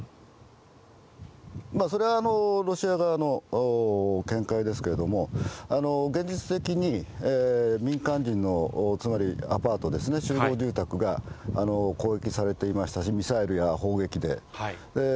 それはロシア側の見解ですけれども、現実的に民間人のつまり、アパートですね、集合住宅が攻撃されていましたし、ミサイルや砲撃で。